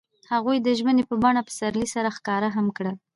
هغوی د ژمنې په بڼه پسرلی سره ښکاره هم کړه.